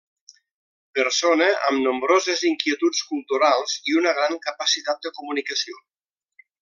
Persona amb nombroses inquietuds culturals i una gran capacitat de comunicació.